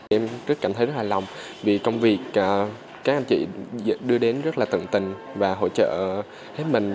em rất cảm thấy rất hài lòng vì trong việc các anh chị đưa đến rất là tận tình và hỗ trợ hết mình